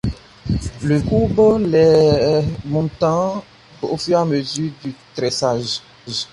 Le vannier courbe les montants au fur et à mesure du tressage.